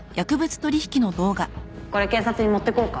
これ警察に持ってこうか？